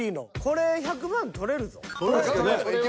これ１００万獲れるぞ。